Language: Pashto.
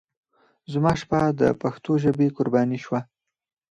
زما شپه د پښتو ژبې قرباني شوه.